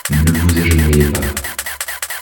Ne vous agenoillez pas.